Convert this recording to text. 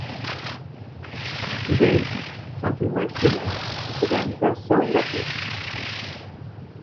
To date, "Something Like Human" is the band's best selling record.